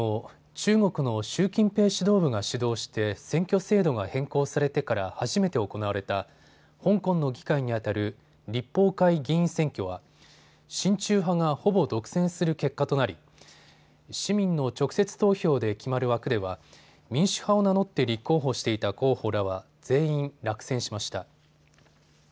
中国の習近平指導部が主導して選挙制度が変更されてから初めて行われた香港の議会にあたる立法会議員選挙は親中派がほぼ独占する結果となり市民の直接投票で決まる枠では民主化を名乗って立候補していた候補らは全員、落選しました。